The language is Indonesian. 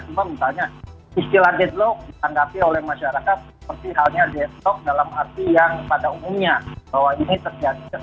cuma misalnya istilah deadlock ditanggapi oleh masyarakat seperti halnya deadlock dalam arti yang pada umumnya bahwa ini terjadi